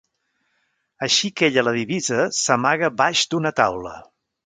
Així que ella la divisa, s'amaga baix d'una taula.